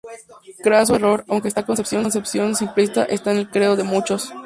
Craso error, aunque esta concepción simplista está en el credo de muchos.